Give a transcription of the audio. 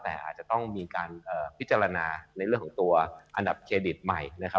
แต่อาจจะต้องมีการพิจารณาในเรื่องของตัวอันดับเครดิตใหม่นะครับ